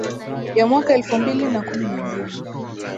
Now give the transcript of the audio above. ya mwaka elfu mbili na kumi na mbili